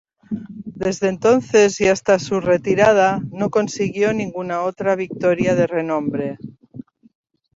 Desde entonces y hasta su retirada, no consiguió ninguna otra victoria de renombre.